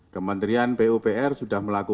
kementerian pupr sudah melakukan